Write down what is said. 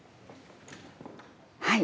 はい。